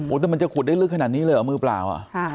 แต่มันจะขุดได้ลึกขนาดนี้เลยเหรอมือเปล่า